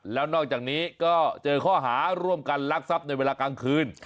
แล้วนอกจากนี้ก็เจอข้อหาร่วมกันลักทรัพย์ในเวลากลางคืน